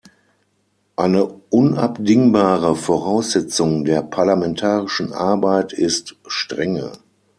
Eine unabdingbare Voraussetzung der parlamentarischen Arbeit ist Strenge.